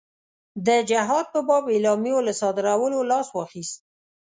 د جهاد په باب اعلامیو له صادرولو لاس واخیست.